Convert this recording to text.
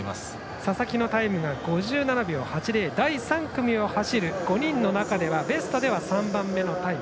佐々木のタイムが５７秒８０第３組を走る５人の中ではベストでは３番目のタイム。